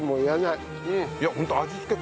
いやホント味付け